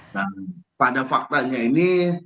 nah pada faktanya ini